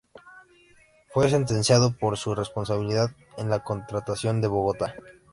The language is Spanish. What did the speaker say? Fue sentenciado por su responsabilidad en la contratación de Bogotá.